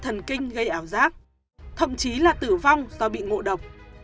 thần kinh gây ảo giác thậm chí là tử vong do bị ngộ độc